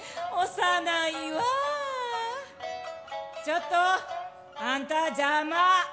「ちょっとあんたじゃま！」。